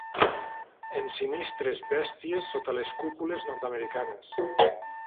Ensinistres bèsties sotes les cúpules nord-americanes.